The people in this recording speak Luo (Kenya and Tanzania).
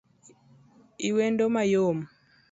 lwedo mayom